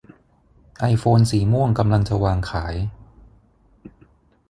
ไอโฟนสีม่วงกำลังจะวางขาย